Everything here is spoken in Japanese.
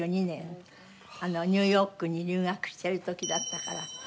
ニューヨークに留学してる時だったから。